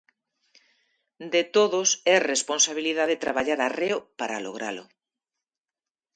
De todos é responsabilidade traballar arreo para logralo.